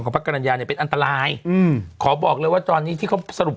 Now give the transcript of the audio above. พระกรรณญาเนี่ยเป็นอันตรายอืมขอบอกเลยว่าตอนนี้ที่เขาสรุป